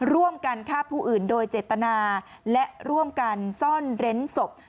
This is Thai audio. ร่วมกันฆ่าผู้อื่นโดยเจตนาและร่วมกันซ่อนเร้นศพ